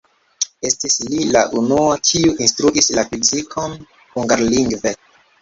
Estis li la unua, kiu instruis la fizikon hungarlingve.